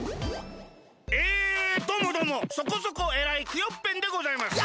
えどうもどうもそこそこえらいクヨッペンでございます。